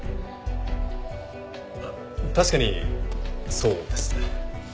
あっ確かにそうですね。